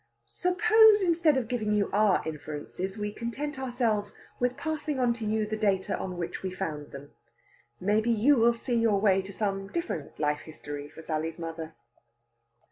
Suppose, instead of giving you our inferences, we content ourselves with passing on to you the data on which we found them. Maybe you will see your way to some different life history for Sally's mother.